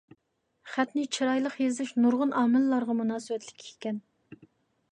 خەتنى چىرايلىق يېزىش نۇرغۇن ئامىللارغا مۇناسىۋەتلىك ئىكەن.